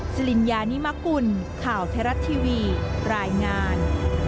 สิริญญานิมกุลข่าวไทยรัฐทีวีรายงาน